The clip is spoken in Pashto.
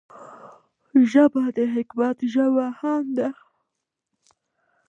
ژبه د حکمت ژبه هم ده